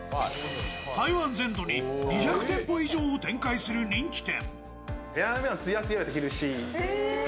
台湾全土に２００店舗以上を展開する人気店。